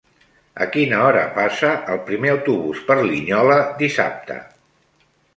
A quina hora passa el primer autobús per Linyola dissabte?